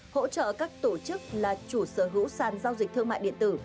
hỗ trợ các tổ chức là chủ sở hữu sàn giao dịch thương mại điện tử